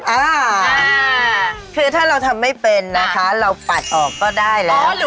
อ่าคือถ้าเราทำไม่เป็นนะคะเราปัดออกก็ได้แล้ว